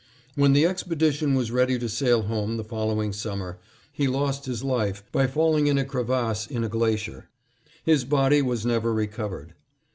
When the expedition was ready to sail home the following summer, he lost his life by falling in a crevasse in a glacier. His body was never recovered.